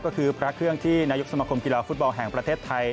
ก็คือพระเครื่องที่นายกสมคมกีฬาฟุตบอลแห่งประเทศไทย